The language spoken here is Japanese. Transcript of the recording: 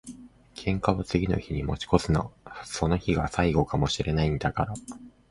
喧嘩は次の日に持ち越すな。その日が最後かも知れないんだから。